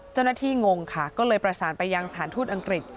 งงค่ะก็เลยประสานไปยังสถานทูตอังกฤษ